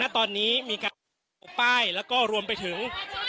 ตอนนี้มีการเอาป้ายแล้วก็รวมไปถึง